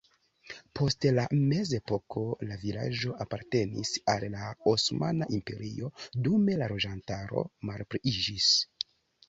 Post la mezepoko la vilaĝo apartenis al la Osmana Imperio, dume la loĝantaro malpliiĝis.